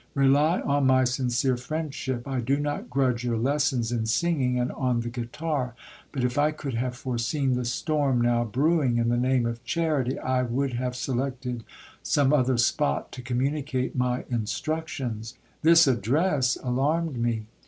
Rely on my sincere friendship : I do not grudge your lessons in singing and on the guitar ; but if I could have foreseen the storm now brewing, in the name of charity ! I would have selected some other spot to communicate my instructions. This address alarmed me.